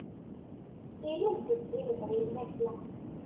Illul-d deg-i lebɣi i lmakla.